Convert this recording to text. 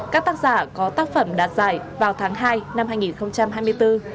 các tác giả có tác phẩm đạt giải vào tháng hai năm hai nghìn hai mươi bốn